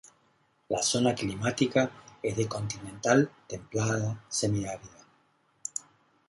La zona climática es de continental templada semiárida.